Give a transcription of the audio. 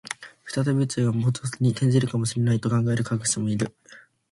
再び宇宙が膨張に転じるかもしれないと考える科学者もいる